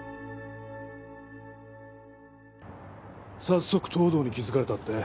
早速東堂に気づかれたって？